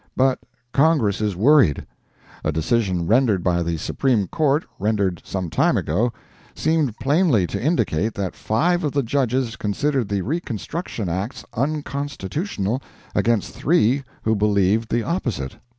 But Congress is worried. A decision rendered by the Supreme Court, rendered some time ago, seemed plainly to indicate that five of the Judges considered the Reconstruction Acts unconstitutional against three who believed the opposite.